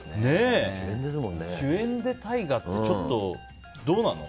主演で大河ってちょっとどうなの？